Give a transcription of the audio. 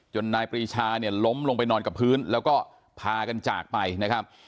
นายปรีชาเนี่ยล้มลงไปนอนกับพื้นแล้วก็พากันจากไปนะครับ